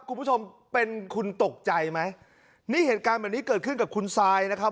คุณผู้ชมเป็นคุณตกใจไหมนี่เหตุการณ์แบบนี้เกิดขึ้นกับคุณซายนะครับ